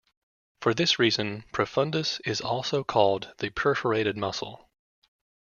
For this reason profundus is also called the "perforating muscle".